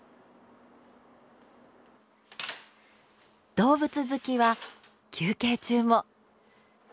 動物好きは休憩中も。